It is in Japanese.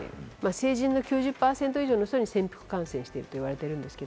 成人の９０％以上の人に潜伏感染していると言われています。